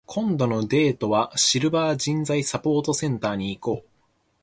今度のデートは、シルバー人材サポートセンターに行こう。